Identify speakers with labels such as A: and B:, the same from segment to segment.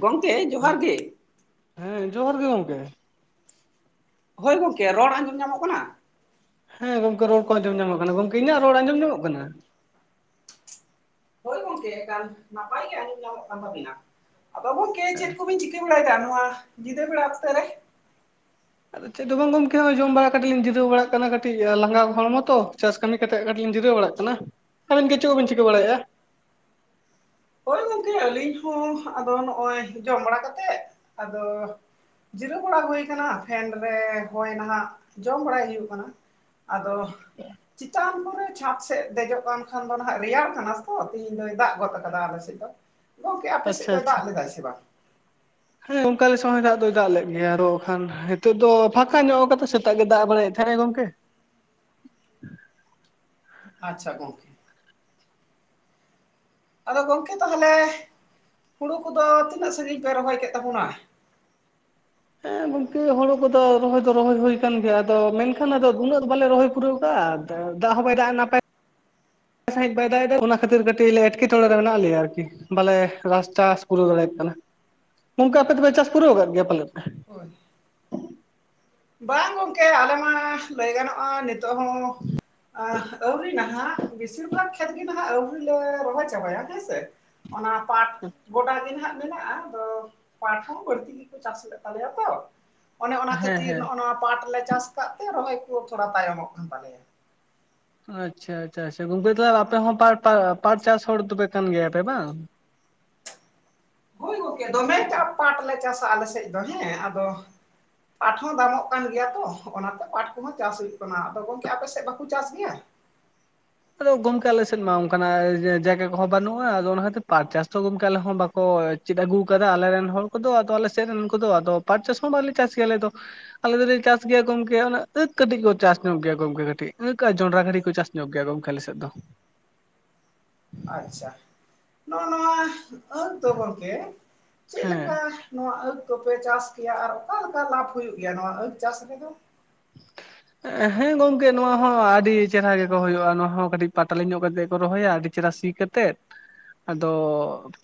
A: ᱜᱚᱝᱠᱮ
B: ᱦᱮᱞᱳ,
A: ᱡᱚᱦᱟᱨ ᱜᱮ᱾
B: ᱦᱮᱸ ᱡᱚᱦᱟᱨ ᱜᱮ ᱜᱚᱝᱠᱮ᱾
A: ᱦᱳᱭ ᱜᱚᱝᱠᱮ, ᱨᱚᱲ ᱟᱸᱡᱚᱢ ᱧᱟᱢᱚᱜ ᱠᱟᱱᱟ?
B: ᱦᱮᱸ ᱜᱚᱝᱠᱮ ᱨᱚᱲ ᱠᱚ ᱟᱸᱡᱚᱢ ᱧᱟᱢᱚᱜ ᱠᱟᱱᱟ, ᱜᱚᱝᱠᱮ ᱤᱧᱟᱹᱜ ᱨᱚᱲ ᱟᱸᱡᱚᱢ ᱧᱟᱢᱚᱜ ᱠᱟᱱᱟ?
A: ᱦᱳᱭ ᱜᱚᱝᱠᱮ ᱮᱠᱟᱞ ᱱᱟᱯᱟᱭ ᱜᱮ ᱟᱸᱡᱚᱢ ᱧᱟᱢᱚᱜ ᱠᱟᱱ ᱛᱟᱵᱤᱱᱟ, ᱟᱫᱚ ᱜᱚᱝᱠᱮ ᱪᱮᱫ ᱠᱚᱵᱤᱱ ᱪᱤ ᱪᱮ-ᱮᱢ ᱞᱟᱹᱭᱫᱟ ᱱᱚᱣᱟ ᱧᱤᱫᱟᱹ ᱵᱮᱲᱟ ᱚᱠᱛᱚ ᱨᱮ?
B: ᱟᱫᱚ ᱪᱮᱫ ᱦᱚᱸ ᱵᱟᱝ ᱜᱚᱢᱠᱮ ᱡᱚᱢ ᱵᱟᱲᱟ ᱠᱟᱛᱮ ᱠᱟᱹᱴᱤᱡᱤᱧ ᱡᱤᱨᱟᱹᱣ ᱵᱟᱲᱟᱜ ᱠᱟᱱᱟ ᱠᱟᱹᱴᱤᱡ ᱞᱟᱸᱜᱟ ᱦᱚᱲᱢᱚ ᱛᱚ, ᱪᱟᱥ ᱠᱟᱹᱢᱤ ᱠᱟᱛᱮ ᱠᱟᱹᱴᱤᱡ ᱞᱤᱧ ᱡᱩᱤᱨᱟᱹᱣ ᱵᱟᱲᱟᱜ ᱠᱟᱱᱟ, ᱟᱵᱤᱱ ᱜᱮ ᱪᱮᱫ ᱠᱚᱵᱤᱱ ᱪᱤᱠᱟᱹ ᱵᱟᱲᱟᱭᱮᱫᱼᱟ?
A: ᱦᱳᱭ ᱜᱚᱢᱠᱮ ᱟᱹᱞᱤᱧ ᱦᱚᱸ ᱟᱫᱚ ᱱᱚᱜᱼᱚᱭ ᱡᱚᱢ ᱵᱟᱲᱟ ᱠᱟᱛᱮᱜ ᱟᱫᱚ ᱡᱤᱨᱟᱹᱣ ᱵᱟᱲᱟ ᱦᱩᱭ ᱟᱠᱟᱱᱟ ᱯᱷᱮᱱ ᱨᱮ ᱦᱚᱭ ᱱᱟᱦᱟᱜ ᱡᱚᱢ ᱵᱟᱲᱟᱭ ᱦᱩᱭᱩᱜ ᱠᱟᱱᱟ᱾ ᱟᱫᱚ ᱪᱮᱛᱟᱱ ᱠᱚᱨᱮ ᱪᱷᱟᱸᱫ ᱥᱮᱫ ᱫᱮᱡᱚᱜ ᱠᱟᱱ ᱠᱷᱟᱱ ᱫᱚ ᱱᱟ ᱨᱮᱭᱟᱲ ᱠᱟᱱᱟ ᱛᱚ ᱛᱮᱦᱤᱧ ᱫᱚᱭ ᱜᱚᱫ ᱟᱠᱟ ᱠᱟᱫᱟ ᱟᱞᱮ ᱥᱮᱫ ᱫᱚ, ᱜᱚᱢᱠᱮ ᱟᱯᱮ ᱥᱮᱫ
B: ᱟᱪᱪᱷᱟ
A: ᱫᱚᱭ ᱫᱟᱜ
B: ᱟᱪᱪᱷᱟ
A: ᱞᱮᱫᱟᱭ ᱥᱮ ᱵᱟᱝ?
B: ᱦᱮᱸ ᱚᱱᱠᱟᱞ ᱥᱚᱢᱚᱭ ᱫᱟᱜ ᱫᱚᱭ ᱫᱟᱜ ᱞᱮᱫ ᱜᱮᱭᱟ ᱟᱨᱚ ᱠᱷᱟᱱ ᱱᱤᱛᱜ ᱫᱚ ᱯᱷᱟᱸᱠᱟ ᱧᱚᱜ ᱠᱟᱫᱟᱭ ᱥᱮᱛᱟᱜ ᱜᱮ ᱫᱟᱜ ᱵᱟᱲᱟᱭᱮᱫ ᱛᱟᱦᱮᱸᱜ ᱜᱚᱝᱠᱮ
A: ᱟᱪᱪᱷᱟ ᱜᱚᱝᱠᱮ ᱾ ᱟᱫᱚ ᱜᱚᱝᱠᱮ ᱛᱟᱦᱚᱞᱮ ᱦᱩᱲᱩ ᱠᱚᱫᱚ ᱛᱤᱱᱟᱹᱜ ᱥᱟᱺᱜᱤᱧ ᱯᱮ ᱨᱚᱦᱚᱭ ᱠᱮᱫ ᱛᱟᱵᱚᱱᱟ?
B: ᱦᱮᱸ ᱜᱚᱝᱠᱮ ᱦᱚᱲᱩ ᱠᱚᱫᱚ ᱨᱚᱦᱚᱭ ᱫᱚ ᱨᱚᱦᱚᱭ ᱦᱩᱭ ᱟᱠᱟᱱ ᱜᱮᱭᱟ ᱟᱫᱚ ᱢᱮᱱᱠᱷᱟᱱ ᱟᱫᱚ ᱩᱱᱟᱹᱜ ᱫᱚ ᱵᱟᱞᱮ ᱨᱚᱦᱚᱭ ᱯᱩᱨᱟᱹᱣ ᱟᱠᱟᱜᱼᱟ᱾ ᱫᱟᱜ ᱦᱚ ᱵᱚᱭ ᱫᱟᱜ ᱱᱟᱯᱟᱭ ᱥᱟᱸᱦᱤᱡ ᱵᱟᱭᱮᱫᱟ ᱚᱱᱟ ᱠᱷᱟᱹᱛᱤᱨ ᱠᱟᱹᱴᱤᱡ ᱮᱴᱠᱮᱴᱚᱬᱮ ᱢᱮᱱᱟᱜ ᱞᱮᱭᱟ ᱟᱨᱠᱤ ᱾ ᱵᱟᱞᱮ ᱨᱟᱥ ᱪᱟᱥ ᱯᱩᱨᱟᱹᱣ ᱫᱟᱲᱮᱭᱟᱜ ᱠᱟᱱᱟ ᱱᱚᱝᱠᱟ ᱟᱯᱮ ᱫᱚᱯᱮ ᱪᱟᱥ ᱯᱩᱨᱟᱹᱣ ᱟᱠᱟᱫ ᱜᱮᱭᱟ ᱯᱟᱞᱮᱫ ᱾
A: ᱦᱳᱭ ᱵᱟᱝ ᱜᱚᱝᱠᱮ ᱟᱞᱮ ᱢᱟ ᱞᱟᱹᱭ ᱜᱟᱱᱚᱜᱼᱟ ᱱᱤᱛᱚᱜ ᱦᱚᱸ ᱟᱹᱣᱨᱤ ᱱᱟᱦᱟᱜ ᱾ ᱵᱮᱥᱤᱨ ᱵᱷᱟᱜᱽ ᱠᱷᱮᱛ ᱜᱮ ᱱᱟᱦᱟᱜ ᱟᱹᱣᱨᱤ ᱞᱮ ᱨᱚᱦᱚᱭ ᱪᱟᱵᱟᱭᱟ ᱦᱮᱸᱥᱮ ᱾ ᱚᱱᱟ ᱯᱟᱴ ᱜᱚᱰᱟ ᱜᱮ ᱦᱟᱸᱜ ᱢᱮᱱᱟᱜᱼᱟ ᱟᱫᱚ ᱯᱟᱴ ᱦᱚᱸ ᱵᱟᱹᱲᱛᱤ ᱜᱮᱠᱚ ᱪᱟᱥ ᱞᱮᱫ ᱛᱟᱞᱮᱭᱟ ᱛᱚ ᱚᱱᱮ ᱚᱱᱟ ᱠᱷᱟᱹᱛ
B: ᱦᱮᱸ ᱦᱮᱸ
A: ᱚᱱᱟ ᱯᱟᱴ ᱞᱮ ᱪᱟᱥ ᱟᱠᱟᱫ ᱛᱮ ᱨᱚᱦᱚᱭ ᱠᱚ ᱛᱷᱚᱲᱟ ᱛᱟᱭᱚᱢᱚᱜ ᱠᱟᱱ ᱛᱟᱞᱮᱭᱟ ᱾
B: ᱟᱪᱪᱷᱟ ᱟᱪᱪᱷᱟ ᱟᱪᱪᱷᱟ ᱜᱚᱝᱠᱮ ᱛᱟᱦᱚᱞᱮ ᱟᱯᱮ ᱦᱚᱸ ᱯᱟᱲ ᱯᱟ ᱯᱟᱴ ᱪᱟᱥ ᱦᱚᱲ ᱫᱚᱯᱮ ᱠᱟᱱ ᱜᱮᱭᱟᱯᱮ ᱵᱟᱝ ᱾
A: ᱦᱳᱭ ᱜᱚᱝᱠᱮ ᱫᱚᱢᱮ ᱪᱟᱯ ᱯᱟᱴ ᱞᱮ ᱪᱟᱥᱟ ᱟᱞᱮ ᱥᱮᱫ ᱫᱚ ᱦᱮᱸ ᱟᱫᱚ ᱯᱟᱴ ᱦᱚᱸ ᱫᱟᱢᱚᱜ ᱠᱟᱱ ᱜᱮᱭᱟ ᱛᱚ ᱚᱱᱟᱛᱮ ᱯᱟᱴ ᱠᱚᱦᱚᱸ ᱪᱟᱥ ᱦᱩᱭᱩᱜ ᱠᱟᱱᱟ᱾ ᱟᱫᱚ ᱜᱚᱝᱠᱮ ᱟᱯᱮ ᱥᱮᱫ ᱵᱟᱠᱚ ᱪᱟᱥ ᱜᱮᱭᱟ?
B: ᱟᱫᱚ ᱜᱚᱝᱠᱮ ᱟᱞᱮ ᱥᱮᱫ ᱢᱟ ᱚᱱᱠᱟ ᱱᱟᱜ ᱡᱟᱭᱜᱟ ᱠᱚᱦᱚᱸ ᱵᱟᱹᱱᱩᱜᱼᱟ ᱟᱫᱚ ᱚᱱᱟ ᱠᱷᱟᱹᱛᱤᱨ ᱯᱟᱴ ᱪᱟᱥ ᱫᱚ ᱜᱚᱝᱠᱮ ᱟᱞᱮ ᱦᱚᱸ ᱵᱟᱠᱚ ᱪᱮᱫ ᱟᱹᱜᱩ ᱠᱟᱫᱟ ᱟᱞᱮ ᱨᱮᱱ ᱦᱚᱲ ᱠᱚᱫᱚ ᱟᱫᱚ ᱟᱞᱮ ᱥᱮᱫ ᱨᱮᱱ ᱠᱚᱫᱚ ᱟᱫᱚ ᱯᱟᱴ ᱪᱟᱥ ᱦᱚᱸ ᱵᱟᱞᱮ ᱪᱟᱥ ᱜᱮᱭᱟ ᱟᱞᱮ ᱫᱚ ᱾ ᱟᱞᱮ ᱫᱚᱞᱮ ᱪᱟᱥ ᱜᱮᱭᱟ ᱜᱚᱝᱠᱮ ᱩᱱᱟ. ᱜ ᱫᱚ ᱠᱟᱹᱴᱤᱡ ᱠᱚ ᱪᱟᱥ ᱧᱚᱜ ᱜᱮᱭᱟ ᱜᱚᱝᱠᱮ ᱠᱟᱹᱴᱤᱡ ᱠᱟᱹᱡ ᱡᱚᱬᱰᱨᱟ ᱠᱟᱹᱴᱤᱡ ᱠᱚ ᱪᱟᱥ ᱧᱚᱜ ᱜᱮᱭᱟ ᱜᱚᱝᱠᱮ᱾ ᱟᱞᱮ ᱥᱮᱫ ᱫᱚ ᱾
A: ᱟᱪᱪᱷᱟ ᱱᱚ-ᱱᱚᱣᱟ ᱟᱹᱠᱷ ᱫᱚ ᱜᱚᱝᱠᱮ ᱪᱮᱫ
B: ᱦᱮᱸ
A: ᱞᱮᱠᱟ ᱱᱚᱣᱟ ᱟᱹᱠᱷ ᱠᱚᱯᱮ ᱪᱟᱥ ᱜᱮᱭᱟ ᱟᱨ ᱚᱠᱟ ᱞᱮᱠᱟ ᱞᱟᱵ ᱦᱩᱭᱩᱜ ᱜᱮᱭᱟ ᱱᱚᱣᱟ ᱟ. ᱠᱷ ᱪᱟᱥ ᱨᱮᱫᱚ? [unintelligible]
B: ᱦᱮᱸ ᱜᱚᱝᱠᱮ ᱱᱚᱣᱟ ᱦᱚᱸ ᱟᱹᱰᱤ ᱪᱮᱨᱦᱟ ᱜᱮᱠᱚ ᱦᱩᱭᱩᱜᱼᱟ ᱱᱚᱣᱟ ᱦᱚᱸ ᱠᱟᱹᱴᱤᱡ ᱯᱟᱛᱞᱤ ᱧᱚᱜ ᱠᱟᱛᱮᱜ ᱠᱚ ᱨᱚᱦᱚᱭᱟ ᱟᱹᱰᱤ ᱪᱮᱨᱦᱟ ᱥᱤ ᱠᱟ ᱛᱮᱫ ᱟᱫᱚ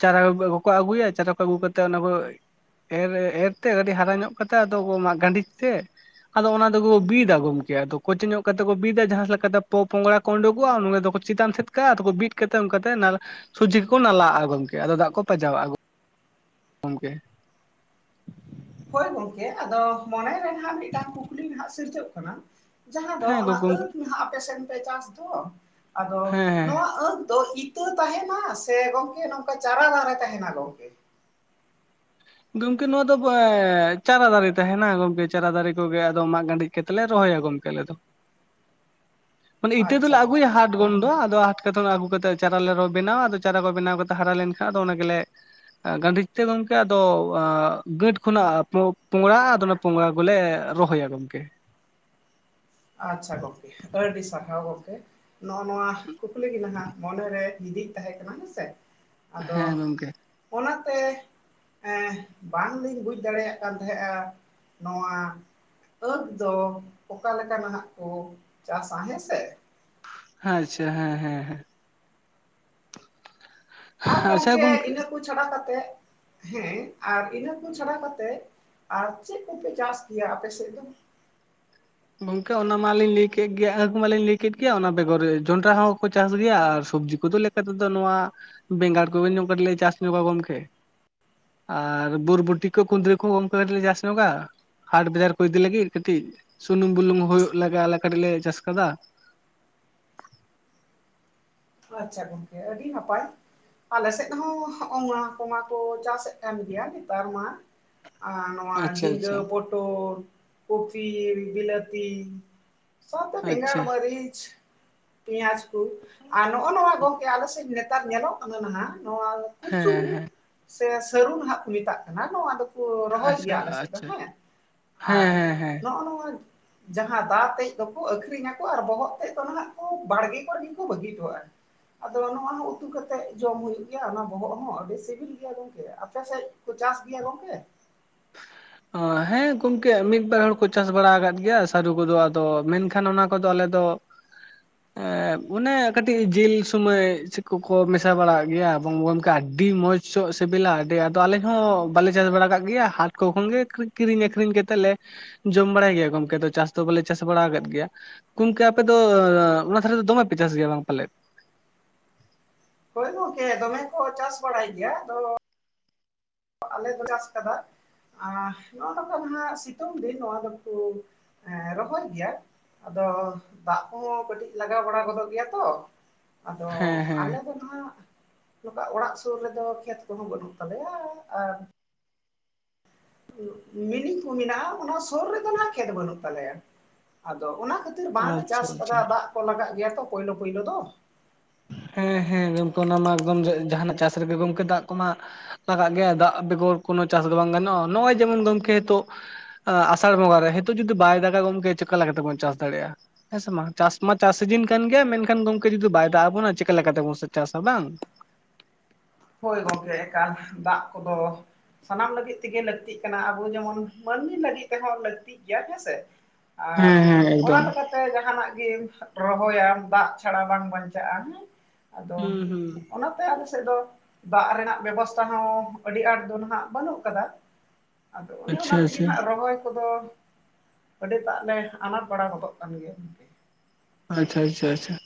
B: ᱪᱟᱨᱟ ᱠᱚᱠᱚ ᱟ. ᱜᱩ ᱠᱟᱜ ᱟᱹᱜᱩᱭᱟ ᱪᱟᱨᱟ ᱠᱚ ᱟᱹᱜᱩ ᱠᱟᱛᱮᱫ ᱚᱱᱟ ᱠᱚ ᱮᱨ ᱮᱨ ᱛᱮ ᱠᱟᱹᱴᱤᱡ ᱦᱟᱨᱟ ᱧᱚᱜ ᱠᱟᱛᱮ ᱟᱫᱚ ᱵᱚ ᱢᱟᱜ ᱜᱟᱸᱰᱤᱡ ᱛᱮ ᱟᱫᱚ ᱚᱱᱟ ᱟᱫᱚ ᱠᱚ ᱵᱤᱫᱟ ᱜᱚᱢᱠᱮ ᱟᱫᱚ ᱠᱳᱪᱮ ᱧᱚᱜ ᱠᱟᱛᱮ ᱠᱚ ᱵᱤᱫᱟ ᱡᱟᱦᱟᱸ ᱞᱮᱠᱟᱛᱮ ᱯᱚ ᱯᱚᱝᱲᱟ ᱠᱚ ᱩᱰᱩᱠᱚᱜᱼᱟ ᱩᱱᱰᱮ ᱫᱚᱠᱚ ᱪᱮᱛᱟᱱ ᱥᱮᱫ ᱠᱟᱫ ᱠᱚ ᱵᱤᱫ ᱠᱟᱛᱮ ᱚᱱᱠᱟ ᱛᱮ ᱱᱟᱞᱟ ᱥᱩᱡᱤ ᱠᱚ ᱱᱟᱞᱟ ᱟᱜᱼᱟ ᱜᱚᱝᱠᱮ ᱟᱫᱚ ᱫᱟᱜ ᱠᱚ ᱯᱟᱸᱡᱟᱣᱟᱜᱼᱟ ᱜᱚᱢᱠᱮ ᱾
A: ᱦᱳᱭ ᱜᱚᱝᱠᱮ ᱟᱫᱚ ᱢᱚᱱᱮᱨᱮ ᱱᱟᱦᱟᱸᱜ ᱢᱤᱫᱴᱟᱝ ᱠᱩᱠᱞᱤ ᱱᱟᱦᱟᱸᱜ ᱥᱤᱨᱡᱟᱹᱜ ᱠᱟᱱᱟ ᱡᱟᱦᱟᱸ ᱫᱚ
B: ᱦᱮᱸ ᱜᱚ
A: ᱚᱱᱟ
B: ᱜᱚᱢᱠᱮ
A: ᱟᱹᱠᱷ ᱱᱟᱦᱟᱜ ᱟᱯᱮ ᱥᱮᱫ ᱯᱮ ᱪᱟᱥ ᱫᱚ ᱟᱫᱚ
B: ᱦᱮᱸ ᱦᱮᱸ
A: ᱱᱚᱣᱟ ᱟᱹᱠᱷ ᱫᱚ ᱤᱛᱟᱹ ᱛᱟᱦᱮᱱᱟ ᱥᱮ ᱜᱚᱢᱠᱮ ᱱᱚᱝᱠᱟ ᱪᱟᱨᱟ ᱫᱷᱟᱨᱮ ᱛᱟᱦᱮᱱᱟ ᱜᱚᱢᱠᱮ?
B: ᱜᱚᱢᱠᱮ ᱱᱚᱣᱟ ᱫᱚ ᱵᱮᱻ ᱪᱟᱨᱟ ᱫᱟᱨᱮ ᱛᱟᱦᱮᱱᱟ ᱜᱚᱝᱠᱮ ᱪᱟᱨᱟ ᱫᱟᱨᱮ ᱠᱚᱜᱮ ᱟᱫᱚ ᱢᱟᱜ ᱜᱟᱹᱰᱤᱡ ᱠᱷᱮᱛ ᱨᱮᱞᱮ ᱨᱚᱦᱭᱟ ᱜᱚᱢᱞᱠᱮ ᱟᱞᱮ ᱫᱚ
A: [unintelligible]
B: ᱢᱟᱱᱮ ᱤᱛᱟᱹ
A: ᱟᱪᱪᱷᱟ
B: ᱫᱚᱞᱮ ᱟᱹᱜᱩᱭᱟ
A: ᱜᱚᱝᱠᱮ
B: ᱦᱟᱴ
A: ᱟᱹᱰᱤ
B: ᱠᱷᱱᱫᱚ ᱟᱫᱚ ᱦᱟᱴ ᱠᱮᱛᱚᱱ ᱟᱹᱜᱩ ᱠᱟᱛᱮ ᱪᱟᱨᱟ ᱞᱮ ᱵᱮᱱᱟᱣᱟ ᱟᱫᱚ ᱪᱟᱨᱟ ᱠᱚ ᱵᱮᱱᱟᱣ ᱠᱟᱛᱮ ᱦᱟᱨᱟ ᱞᱮᱱᱠᱷᱟᱱ ᱟᱫᱚ ᱚᱱᱟ ᱜᱮᱞᱮ ᱮᱸ ᱜᱟᱹᱰᱤᱡ ᱛᱮ ᱜᱚᱢᱠᱮ ᱫᱚ ᱜᱹᱟᱴ ᱠᱷᱚᱱᱟᱜ ᱯᱚ ᱯᱚᱝᱲᱟᱜᱟ ᱟᱫᱚ ᱚᱱᱟ ᱯᱚᱝᱲᱟ ᱠᱚᱞᱮ ᱨᱚᱦᱚᱭᱟ ᱜᱚᱢᱠᱮ ᱾
A: ᱟᱪᱪᱷᱟ ᱜᱚᱝᱠᱮ, ᱟᱹᱰᱤ ᱥᱟᱨᱦᱟᱣ ᱜᱚᱝᱠᱮ ᱾ ᱱᱚᱜᱼᱚ ᱱᱚᱣᱟ ᱠᱩᱠᱞᱤ ᱜᱮ ᱡᱟᱦᱟᱸ ᱢᱚᱱᱮᱨᱮ ᱦᱤᱫᱤᱡ ᱛᱟᱦᱮᱸ ᱠᱟᱱᱟ ᱦᱮᱸᱥᱮ ᱾ ᱟᱫᱚ
B: ᱦᱮᱸ ᱜᱚᱢᱠᱮ
A: ᱚᱱᱟᱛᱮᱼᱼ ᱮᱸᱜ ᱵᱟᱝᱞᱤᱧ ᱵᱩᱡᱽ ᱫᱟᱲᱮᱭᱟᱜ ᱠᱟᱱ ᱛᱟᱦᱮᱜᱼᱟ ᱱᱚᱣᱟᱼᱼ ᱟᱹᱠ ᱫᱚ ᱚᱠᱟ ᱞᱮᱠᱟ ᱱᱟᱜ ᱠᱚ ᱪᱟᱥᱟ ᱦᱮᱸᱥᱮ ᱾
B: ᱟᱪᱪᱷᱟ ᱦᱮᱸ ᱦᱮᱸ ᱦᱮᱸ ᱾
A: ᱟᱨ ᱜᱚᱢᱠᱮ ᱤᱱᱟᱹ ᱠᱚ ᱪᱷᱟᱰᱟ ᱠᱟᱛᱮᱫᱼᱼ ᱦᱮᱸ ᱟᱨ ᱤᱱᱟᱹ ᱠᱚ ᱪᱷᱟᱰᱟ ᱠᱟᱛᱮᱜ ᱟᱨ ᱪᱮᱫ ᱠᱚᱯᱮ ᱪᱟᱥ ᱜᱮᱭᱟ ᱟᱯᱮ ᱥᱮᱫ ᱫᱚ?
B: ᱜᱚᱝᱠᱮ ᱚᱱᱟ ᱢᱟᱞᱤᱧ ᱞᱟᱹᱭ ᱠᱮᱜ ᱜᱮᱭᱟ ᱟᱹᱠ ᱢᱟᱞᱤᱧ ᱞᱟᱹᱭ ᱠᱮᱜ ᱜᱮᱭᱟ ᱚᱱᱟ ᱵᱮᱜᱚᱨ ᱡᱚᱱᱰᱨᱟ ᱦᱚᱸᱠᱚ ᱪᱟᱥ ᱜᱮᱭᱟ ᱟᱨ ᱥᱚᱵᱽᱡᱤ ᱠᱚᱫᱚ ᱞᱮᱼᱼ ᱱᱤᱛᱚᱜ ᱫᱚ ᱱᱚᱶᱟ ᱵᱮᱸᱜᱟᱲ ᱠᱚᱜᱮ ᱧᱩ ᱠᱟᱹᱴᱤᱡ ᱞᱮ ᱪᱟᱥ ᱧᱚᱜᱟ ᱜᱚᱢᱠᱮ ᱾ ᱟᱨ ᱵᱳᱨᱵᱩᱴᱤ ᱠᱚ ᱠᱩᱫᱽᱨᱤ ᱠᱚ ᱚᱱᱠᱟᱞᱮ ᱪᱟᱥ ᱧᱚᱜᱟ ᱾ ᱦᱟᱴ ᱵᱟᱡᱟᱨ ᱠᱚ ᱤᱫᱤ ᱞᱟᱹᱜᱤᱫ ᱠᱟᱹᱴᱤᱡ ᱥᱩᱱᱩᱢ ᱵᱩᱞᱩᱝ ᱦᱩᱭᱩᱜ ᱞᱟᱜᱟ ᱟᱞᱮ ᱠᱟᱹᱴᱤᱡ ᱞᱮ ᱪᱟᱥ ᱟᱠᱟᱫᱟ ᱾
A: ᱟᱪᱪᱷᱟ ᱜᱚᱝᱠᱮ ᱟᱹᱰᱤ ᱱᱟᱯᱟᱭ ᱾ ᱟᱞᱮ ᱥᱮᱫ ᱦᱚᱸ ᱦᱚᱜᱼᱚ ᱱᱚᱣᱟ ᱠᱚ ᱢᱟᱠᱚ ᱪᱟᱥ ᱮᱫ ᱠᱟᱱ ᱜᱮᱭᱟ ᱱᱮᱛᱟᱨ ᱢᱟ ᱾ ᱟᱨ ᱱᱚᱣᱟ
B: ᱟᱪᱪᱷᱟ
A: ᱡᱤᱸᱜᱟᱹ,
B: ᱟᱪᱪᱷᱟ
A: ᱯᱚᱴᱚᱞ, ᱠᱚᱯᱤ, ᱵᱤᱞᱟᱹᱛᱤᱼᱼ ᱥᱟᱶᱛᱮ ᱵᱮᱜᱟᱲ,
B: ᱟᱪᱪᱷᱟ
A: ᱢᱟᱹᱨᱤᱪ, ᱯᱮᱭᱟᱡ ᱠᱚ ᱾ ᱟᱨ ᱱᱚᱜᱼᱚ ᱱᱚᱣᱟ ᱜᱚᱝᱠᱮ ᱟᱞᱮ ᱥᱮᱫ ᱱᱮᱛᱟᱨ ᱧᱮᱞᱚᱜ ᱠᱟᱱᱟ ᱱᱟᱜ ᱱᱚᱣᱟᱼᱼ
B: ᱦᱮᱸ ᱦᱮᱸ ᱾
A: ᱥᱮ ᱥᱟᱹᱨᱩ ᱱᱟᱸᱜ ᱠᱚ ᱢᱮᱛᱟᱜ ᱠᱟᱱᱟ ᱱᱚᱣᱟ ᱫᱚ ᱾ ᱠᱚ ᱨᱚᱦᱚᱭ
B: ᱟᱪᱪᱷᱟ
A: ᱜᱮᱭᱟ ᱟᱞᱮ ᱥᱮᱫ ᱫᱚ
B: ᱟᱪᱪᱷᱟ
A: ᱦᱮᱸ, ᱟᱨ
B: ᱦᱮᱸ ᱦᱮᱸ ᱦᱮᱸ
A: ᱱᱚᱜᱼᱚ ᱱᱚᱣᱟᱼᱼ ᱡᱟᱦᱟᱸ ᱫᱟᱜ ᱛᱮᱡ ᱫᱚᱠᱚ ᱟᱠᱷᱨᱤᱧᱟᱠᱚ ᱾ ᱟᱨ ᱵᱚᱦᱚᱜ ᱛᱮᱡ ᱫᱚ ᱱᱟᱜ ᱠᱚ ᱵᱟᱲᱜᱮ ᱠᱚᱨᱮᱜᱮᱠᱩ ᱵᱟᱹᱜᱤᱼᱼ ᱴᱚᱜᱼᱟᱭ ᱾ ᱟᱫᱚ ᱱᱚᱣᱟ ᱦᱚᱸ ᱩᱛᱩ ᱠᱟᱛᱮᱜ ᱡᱚᱢ ᱦᱩᱭᱩᱜ ᱜᱮᱭᱟ ᱚᱱᱟ ᱵᱚᱦᱚᱜ ᱦᱚᱸ ᱟᱹᱰᱤ ᱥᱤᱵᱤᱞ ᱜᱮᱭᱟ ᱜᱚᱝᱠᱮ ᱾ ᱟᱯᱮᱥᱮᱡᱼᱼ ᱠᱚ ᱪᱟᱥ ᱜᱮᱭᱟ ᱜᱚᱝᱠᱮ?
B: ᱦᱮᱸ ᱜᱚᱝᱠᱮ ᱢᱤᱫ ᱵᱟᱨ ᱦᱚᱲ ᱠᱚ ᱪᱟᱥ ᱵᱟᱲᱟ ᱟᱠᱟᱫ ᱜᱮᱭᱟ ᱥᱟᱹᱨᱩ ᱠᱚᱫᱚ ᱟᱫᱚ ᱢᱮᱱᱠᱷᱟᱱ ᱚᱱᱟ ᱠᱚᱫᱚ ᱟᱞᱮ ᱫᱚ ᱼᱼ
A: [inaudible]
B: ᱚᱱᱮ ᱠᱟᱹᱴᱤᱡ ᱡᱤᱞ ᱥᱩᱢᱚᱭ ᱪᱮᱜ ᱠᱚᱠᱚ ᱢᱮᱥᱟ ᱵᱟᱲᱟ ᱦᱟᱸᱜ ᱜᱮᱭᱟ ᱮᱵᱚᱝ ᱜᱚᱝᱠᱮ ᱟᱰᱤ ᱢᱚᱸᱡᱽᱼᱼ ᱥᱚᱜ ᱥᱤᱵᱤᱞᱟ ᱾ ᱟᱹᱰᱤ, ᱟᱫᱚ ᱟᱞᱮ ᱦᱚᱸ ᱵᱟᱞᱮ ᱪᱟᱥ ᱵᱟᱲᱟ ᱠᱟᱜ ᱜᱮᱭᱟ ᱦᱟᱴᱼᱼ ᱛᱚᱠᱷᱚᱱ ᱜᱮ ᱠᱤᱨᱤᱧ ᱟᱹᱠᱷᱨᱤᱧ ᱠᱟᱛᱮᱜ ᱞᱮ ᱡᱚᱢ ᱵᱟᱲᱟᱭ ᱜᱮᱭᱟ ᱜᱚᱝᱠᱮ, ᱟᱫᱚ ᱪᱟᱥ ᱫᱚ ᱵᱟᱞᱮ ᱪᱟᱥ ᱵᱟᱲᱟ ᱟᱠᱟᱫ ᱜᱮᱭᱟ᱾ ᱜᱚᱝᱠᱮ ᱟᱯᱮᱫᱚ ᱚᱱᱟ ᱫᱷᱟᱨᱮ ᱫᱚ ᱫᱚᱢᱮ ᱯᱮ ᱪᱟᱥ ᱜᱮᱭᱟ ᱵᱟᱝ ᱯᱟᱞᱮᱫ?
A: ᱦᱚᱭ ᱜᱚᱝᱠᱮ ᱫᱚᱢᱮ ᱠᱚ ᱪᱟᱥ ᱵᱟᱲᱟᱭ ᱜᱮᱭᱟ ᱾ ᱟᱫᱚᱼᱼ ᱟᱞᱮ ᱫᱚ [unintelligible] ᱪᱟᱥ ᱠᱟᱫᱟ᱾ ᱟᱸ ᱱᱚᱣᱟ ᱵᱟᱠᱷᱚᱨᱟ ᱫᱚ ᱡᱟᱦᱟᱸ ᱥᱤᱛᱩᱝ ᱫᱤᱱ ᱱᱚᱣᱟ ᱫᱚᱠᱚ ᱮᱸ ᱨᱚᱦᱚᱭ ᱜᱮᱭᱟ ᱾ ᱟᱫᱚ ᱫᱟᱜ ᱠᱚᱦᱚᱸ ᱠᱟᱹᱴᱤᱡ ᱞᱟᱜᱟᱣ ᱵᱟᱲᱟ ᱜᱚᱫᱚᱜ ᱜᱮᱭᱟ ᱛᱚ ᱾ ᱟᱫᱚ
B: ᱦᱮᱸ ᱦᱮᱸ
A: ᱟᱞᱮ ᱫᱚ ᱱᱟᱜ ᱱᱚᱠᱟ ᱚᱲᱟᱜ ᱥᱩᱨ ᱨᱮᱫᱚ ᱠᱷᱮᱛ ᱠᱚᱦᱚᱸ ᱵᱟᱹᱱᱩᱜ ᱛᱟᱞᱮᱭᱟ ᱾ ᱟᱨᱼᱼ ᱢᱤᱱᱤᱝ ᱠᱚ ᱢᱮᱱᱟᱜᱼᱟ, ᱚᱱᱟ ᱥᱩᱨ ᱨᱮᱫᱚ ᱱᱟᱦᱟᱜ ᱠᱷᱮᱛ ᱵᱟᱹᱱᱩᱜ ᱛᱟᱞᱮᱭᱟ, ᱟᱫᱚ ᱚᱱᱟ ᱠᱷᱟᱹᱛᱼᱼ ᱵᱟᱝᱞᱮ
B: ᱟᱪᱪᱷᱟ
A: ᱪᱟᱥ ᱠᱟᱫᱟ
B: ᱟᱪᱪᱷᱟ
A: ᱫᱟᱜ ᱠᱚ ᱞᱟᱜᱟᱜ ᱜᱮᱭᱟ ᱛᱚ ᱯᱳᱭᱞᱳ ᱯᱳᱭᱞᱳ ᱫᱚ ᱾
B: ᱦᱮᱸ ᱦᱮᱸ ᱜᱚᱢᱠᱮ, ᱚᱱᱟ ᱢᱟ ᱮᱠᱫᱚᱢ ᱡᱟᱦᱟ ᱱᱟᱜ ᱪᱟᱥ ᱨᱮᱜᱮ ᱜᱚᱝᱠᱮ ᱫᱟᱜ ᱠᱚᱢᱟᱼᱼ ᱞᱟᱜᱟᱜ ᱜᱮᱭᱟ ᱫᱟᱜ ᱵᱮᱜᱚᱨ ᱠᱳᱱᱳ ᱪᱟᱥ ᱫᱚ ᱵᱟᱝ ᱜᱟᱱᱚᱜᱼᱟ ᱾ ᱱᱚᱜᱼᱚᱭ ᱡᱮᱢᱚᱱ ᱜᱚᱝᱠᱮ ᱮᱛᱚᱜᱼᱼ ᱟ ᱟᱥᱟᱲ ᱵᱚᱸᱜᱟ ᱨᱮ ᱦᱤᱛᱚᱜ ᱡᱩᱫᱤ ᱵᱟᱭ ᱫᱟᱜᱟ ᱜᱚᱝᱠᱮ, ᱪᱮᱠᱟᱹ ᱞᱮᱠᱟ ᱛᱮᱵᱚᱱ ᱪᱟᱥ ᱫᱟᱲᱮᱜᱼᱟ? ᱦᱮᱸ ᱥᱮ ᱵᱟᱝ, ᱪᱟᱥ ᱢᱟ ᱪᱟᱥ ᱥᱤᱡᱤᱱ ᱠᱟᱱ ᱜᱮᱭᱟ ᱢᱮᱱᱠᱷᱟᱱ ᱜᱚᱝᱠᱮ ᱡᱩᱫᱤ ᱵᱟᱭ ᱫᱟᱜ ᱟᱵᱚᱱᱟ ᱪᱤᱠᱟᱹ ᱞᱮᱠᱟ ᱛᱮᱵᱚᱱ ᱪᱟᱥᱟ ᱵᱟᱝ?
A: ᱦᱚᱭ ᱜᱚᱝᱠᱮ, ᱮᱠᱟᱞ ᱫᱟᱜ ᱠᱚᱫᱚᱼᱼ ᱥᱟᱱᱟᱢ ᱞᱟᱹᱜᱤᱫ ᱛᱮᱜᱮ ᱞᱟᱹᱠᱛᱤᱜ ᱠᱟᱱᱟ ᱾ ᱟᱵᱚ ᱡᱮᱢᱚᱱ ᱢᱟᱹᱱᱢᱤ ᱞᱟᱹᱜᱤᱫ ᱛᱮᱦᱚᱸ ᱞᱟᱹᱠᱛᱤ ᱜᱮᱭᱟ ᱦᱮᱸ ᱥᱮ ᱾ ᱟᱨ
B: ᱦᱮᱸ ᱦᱮᱸ
A: ᱚᱱᱟ
B: ᱮᱠᱫᱚᱢ
A: ᱞᱮᱠᱟᱛᱼᱼ ᱛᱮ ᱡᱟᱦᱟᱸᱱᱟᱜ ᱜᱮᱢ ᱨᱚᱦᱚᱭᱟ ᱫᱟᱜ ᱪᱷᱟᱲᱟ ᱵᱟᱝ ᱵᱟᱧᱪᱟᱜᱼᱟ ᱦᱮᱸ᱾ ᱟᱫᱚ
B: ᱦᱩᱸ ᱦᱩᱸ
A: ᱚᱱᱟᱛᱮ ᱟᱞᱮᱥᱮᱫ ᱫᱚ ᱫᱟᱜ ᱨᱮᱱᱟᱜ ᱵᱮᱵᱚᱥᱛᱟ ᱦᱚᱸ ᱟᱹᱰᱤ ᱟᱸᱴ ᱫᱚ ᱱᱟᱦᱟᱜ ᱵᱟᱹᱱᱩᱜ ᱟᱠᱟᱫᱟ᱾ ᱟᱫᱚ ᱚᱱᱮ ᱚᱱᱟ
B: ᱟᱪᱪᱷᱟ
A: ᱛᱤᱜᱤ
B: ᱟᱪᱪᱷᱟ
A: ᱦᱟᱸᱜ ᱨᱚᱦᱚᱭ ᱠᱚᱫᱚ ᱟᱹᱰᱤᱴᱟᱜ ᱞᱮ ᱟᱱᱟᱴ ᱵᱟᱲᱟ ᱜᱚᱫᱚᱜ ᱠᱟᱱ ᱜᱮᱭᱟ᱾
B: ᱟᱪᱪᱷᱟ ᱟᱪᱪᱷᱟ ᱟᱪᱪᱷᱟ᱾